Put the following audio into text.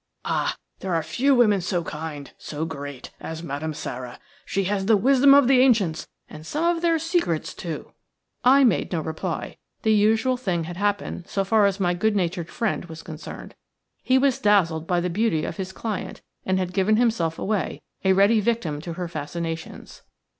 Ah! there are few women so kind, so great, as Madame Sara. She has the wisdom of the ancients and some of their secrets, too." "AH! THERE ARE FEW WOMEN SO KIND, SO GREAT, AS MADAME SARA." I made no reply. The usual thing had happened so far as my good natured friend was concerned. He was dazzled by the beauty of his client, and had given himself away, a ready victim to her fascinations.